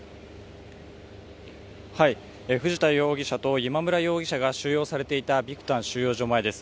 藤田容疑者と今村容疑者が収容されていたビクタン収容所前です。